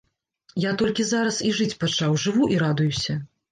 Я толькі зараз і жыць пачаў, жыву і радуюся.